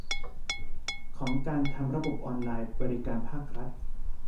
ของการทำระบบออนไลน์บริการภาครัฐ